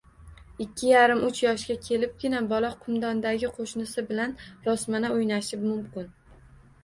Ikki yarim-uch yoshga kelibgina bola “qumdondagi qo‘shnisi” bilan rosmana o‘ynashi mumkin.